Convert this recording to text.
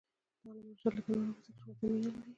د علامه رشاد لیکنی هنر مهم دی ځکه چې وطن مینه لري.